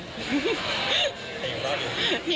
แต่ยังรอดอยู่